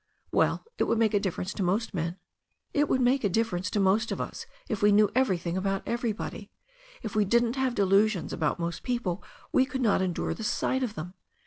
"Well, it would make a difference to most men." "It would make a difference to most of us if we knew evcr3rthing about everybody. If we didn't have delusions about most people we could not endure the sight of them.